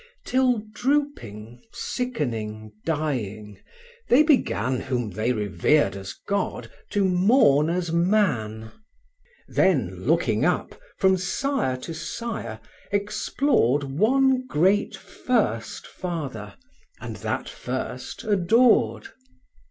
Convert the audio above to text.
Till drooping, sickening, dying they began Whom they revered as God to mourn as man: Then, looking up, from sire to sire, explored One great first Father, and that first adored.